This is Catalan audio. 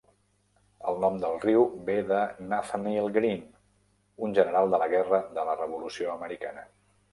El nom del riu ve de Nathanael Green, un general de la Guerra de la Revolució Americana.